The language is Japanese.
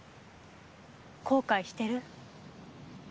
後悔してる？